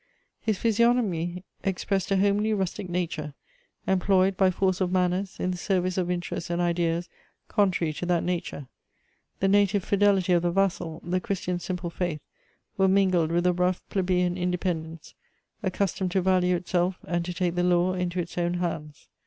His physiognomy expressed a homely, rustic nature, employed, by force of manners, in the service of interests and ideas contrary to that nature; the native fidelity of the vassal, the Christian's simple faith were mingled with the rough plebeian independence accustomed to value itself and to take the law into its own hands.